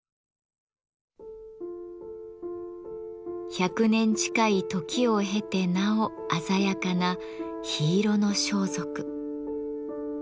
１００年近い時を経てなお鮮やかな緋色の装束。